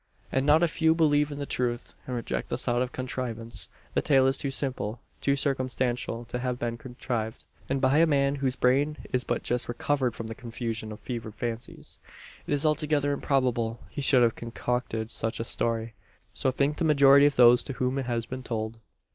And not a few believe in the truth, and reject the thought of contrivance. The tale is too simple too circumstantial to have been contrived, and by a man whose brain is but just recovered from the confusion of fevered fancies. It is altogether improbable he should have concocted such a story. So think the majority of those to whom it has been told.